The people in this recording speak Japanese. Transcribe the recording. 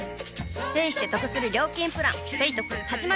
ペイしてトクする料金プラン「ペイトク」始まる！